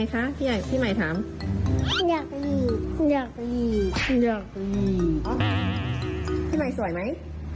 หยิกไว้